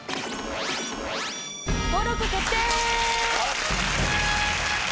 登録決定！